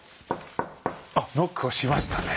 あノックをしましたね。